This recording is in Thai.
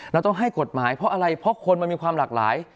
เราต้องให้กฎหมายเพราะอะไรเพราะคนมันมีความหลากหลาย